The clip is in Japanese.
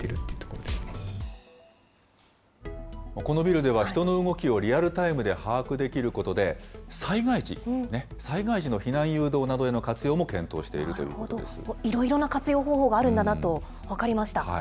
このビルでは人の動きをリアルタイムで把握できることで、災害時、災害時の避難誘導などへの活用も検討しているということいろいろな活用方法があるんだなと分かりました。